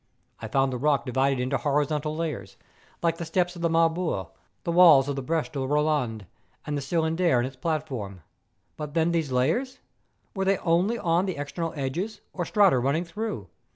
I found the rock divided into horizontal layers, like the steps of the Marbore, the walls of the Breche de Boland, and the Cylindre and its platform. But then these layers? Were they only on the external edges or strata running through